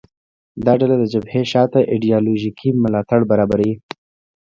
دا ډله د جبهې شا ته ایدیالوژیکي ملاتړ برابروي